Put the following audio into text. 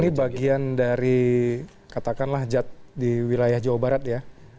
ini bagian dari katakanlah jad di wilayah jawa barat ya